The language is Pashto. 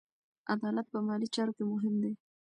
عدالت په مالي چارو کې مهم دی.